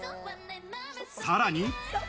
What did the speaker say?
さらに。